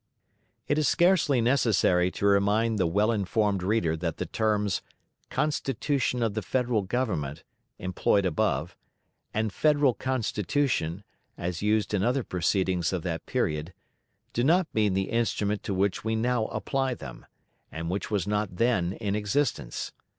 It is scarcely necessary to remind the well informed reader that the terms, "Constitution of the Federal Government," employed above, and "Federal Constitution," as used in other proceedings of that period, do not mean the instrument to which we now apply them; and which was not then in existence.